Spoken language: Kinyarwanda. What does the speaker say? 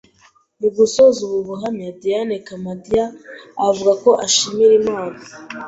Mu gusoza ubu buhamya, Diane Kamadia avuga ko ashimira Imana